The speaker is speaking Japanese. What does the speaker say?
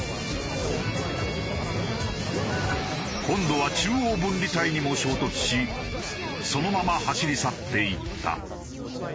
今度は中央分離帯にも衝突しそのまま走り去っていった。